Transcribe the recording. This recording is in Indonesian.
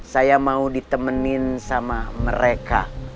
saya mau ditemenin sama mereka